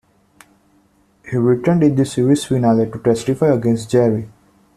He returned in the series finale to testify against Jerry.